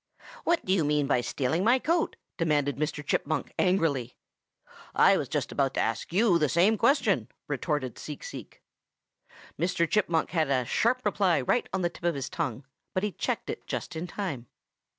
"'What do you mean by stealing my coat?' demanded Mr. Chipmunk angrily. "'I was just about to ask you the same question,' retorted Seek Seek. "Mr. Chipmunk had a sharp reply right on the tip of his tongue, but he checked it just in time.